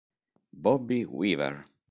Bobby Weaver